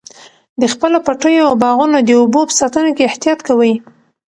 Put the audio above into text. د خپلو پټیو او باغونو د اوبو په ساتنه کې احتیاط کوئ.